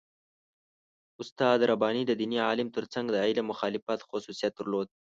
استاد رباني د دیني عالم تر څنګ د علم مخالف خصوصیت درلود.